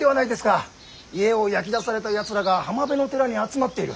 家を焼き出されたやつらが浜辺の寺に集まっている。